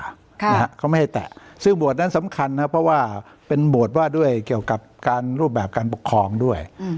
ค่ะนะฮะเขาไม่ให้แตะซึ่งบวชนั้นสำคัญนะครับเพราะว่าเป็นบวชว่าด้วยเกี่ยวกับการรูปแบบการปกครองด้วยอืม